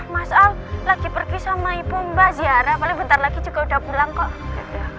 mas al lagi pergi sama ibu mbak ziarah paling bentar lagi juga udah pulang kok